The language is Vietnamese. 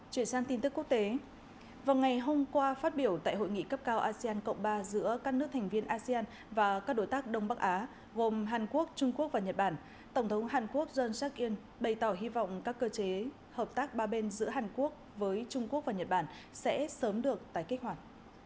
chuyển sang tin tức quốc tế vào ngày hôm qua phát biểu tại hội nghị cấp cao asean cộng ba giữa các nước thành viên asean và các đối tác đông bắc á gồm hàn quốc trung quốc và nhật bản tổng thống hàn quốc jen sekun bày tỏ hy vọng các cơ chế hợp tác ba bên giữa hàn quốc với trung quốc và nhật bản sẽ sớm được tái kích hoạt